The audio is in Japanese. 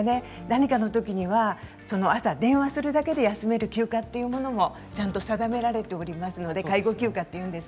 何かのときには朝、電話するだけで休める休暇というものもちゃんと定められておりますので介護休暇というんです。